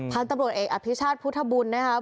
พันธุ์ตำรวจเอกอภิชาติพุทธบุญนะครับ